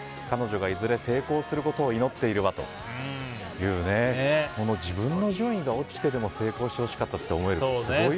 彼女がいずれ成功することを祈っているわと自分の順位が落ちてでも成功してほしいと思える。